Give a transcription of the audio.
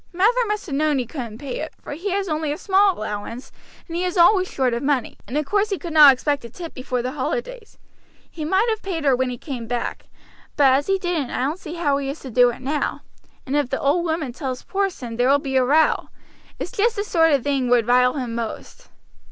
Mather must have known he couldn't pay it, for he has only a small allowance, and he is always short of money, and of course he could not expect a tip before the holidays. He might have paid her when he came back, but as he didn't I don't see how he is to do so now, and if the old woman tells Porson there will be a row. It's just the sort of thing would rile him most."